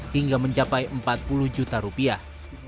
hingga mencapai empat puluh juta rupiah